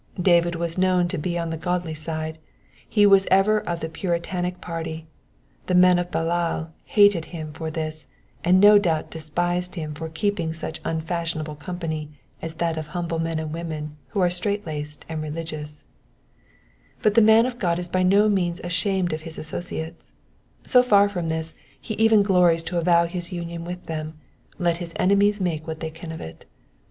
David was known to be on the godly side, he was ever of the Puritanic party : the men of Belial hated him for this, and no doubt despised him for keeping such unfashionable company as that of humble men and women who are strait laced and religious ; but the man of God is by no means ashamed of his associates ; so far from this, he even glories to avow his union with them, let his enemies make what they can of it.